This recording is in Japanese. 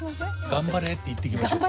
頑張れって言ってきましょう。